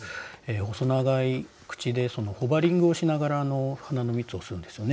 細長い口でホバリングをしながら花の蜜を吸うんですよね。